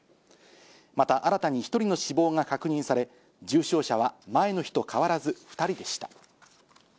また新たに１人の死亡が確認され、重症者は前の日と変わらず２人でした。